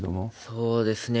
そうですね。